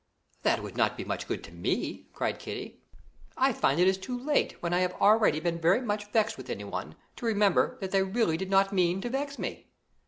"That would not be much good to me!" cried Kitty. "I find it is too late, when I have already been very much vexed with anyone, to remember that they really did not mean to vex me."